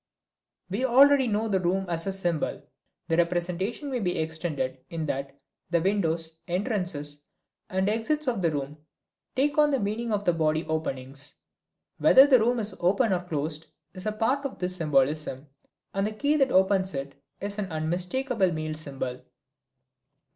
We already know the room as a symbol. The representation may be extended in that the windows, entrances and exits of the room take on the meaning of the body openings. Whether the room is open or closed is a part of this symbolism, and the key that opens it is an unmistakable male symbol.